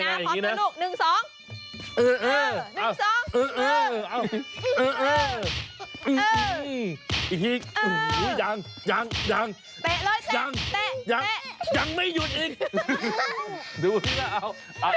อีน้าพร้อมกับลูกทุก๑๒